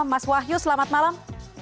mas wahyu selamat malam